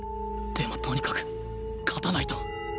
でもとにかく勝たないと